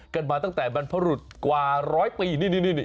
กันมาตั้งแต่บรรพบรุษกว่าร้อยปีนี่